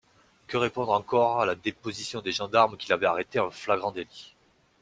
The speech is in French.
Que répondre encore à la déposition des gendarmes qui l'avaient arrêté en flagrant d'élit.